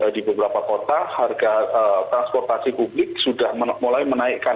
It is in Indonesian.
di beberapa kota harga transportasi publik sudah mulai menaikkan